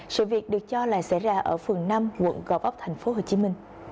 sự việc được cho là xảy ra ở phường năm quận gò vấp tp hcm